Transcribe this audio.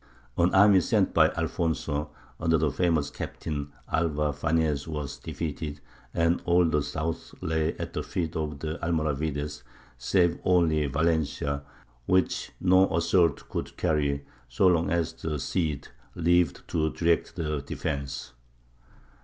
An army sent by Alfonso, under the famous captain, Alvar Fañez, was defeated, and all the south lay at the feet of the Almoravides save only Valencia, which no assault could carry so long as the Cid lived to direct the defence.